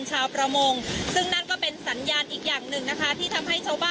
ชาวประมงซึ่งนั่นก็เป็นสัญญาณอีกอย่างหนึ่งนะคะที่ทำให้ชาวบ้าน